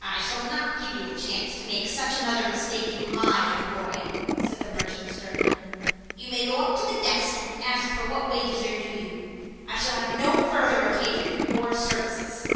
"I shall not give you a chance to make such another mistake in my employ," said the merchant sternly. "You may go up to the desk and ask for what wages are due you. I shall have no further occasion for your services."